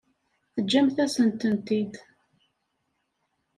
Teǧǧamt-asent-tent-id.